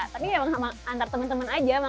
tapi emang antar temen temen aja